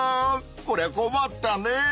こりゃこまったねぇ！